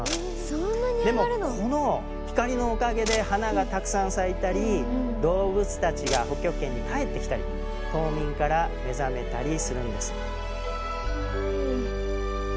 そんなに上がるの⁉でもこの光のおかげで花がたくさん咲いたり動物たちが北極圏に帰ってきたり冬眠から目覚めたりするんです。